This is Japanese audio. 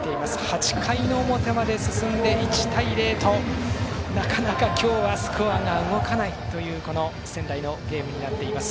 ８回の表まで進んで１対０となかなか、今日はスコアが動かないというこの仙台のゲームになっています。